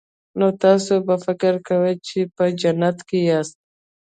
نو تاسو به فکر کاوه چې په جنت کې یاست